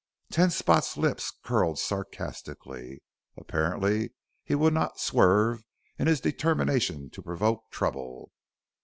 Ten Spot's lips curled sarcastically. Apparently he would not swerve in his determination to provoke trouble.